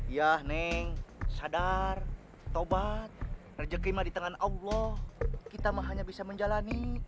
iya neng sadar tobat rejeki mah di tangan allah kita mah hanya bisa menjalani